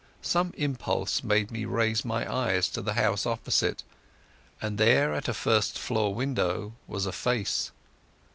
Some impulse made me raise my eyes to the house opposite, and there at a first floor window was a face.